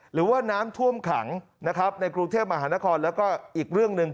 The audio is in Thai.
หรือว่าน้ำท่วมขังนะครับในกรุงเทพมหานครแล้วก็อีกเรื่องหนึ่ง